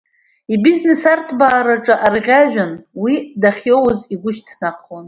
Ибизнес арҭбаараҿ арӷьажәҩа уи дахьиоуз игәы шьҭнахуан.